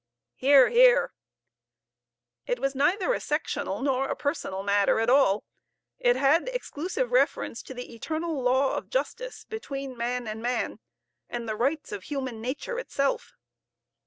(Hear, hear.) It was neither a sectional nor a personal matter at all. It had exclusive reference to the eternal law of justice between man and man, and the rights of human nature itself.